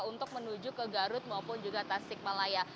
untuk menuju ke garut maupun juga tasik malaya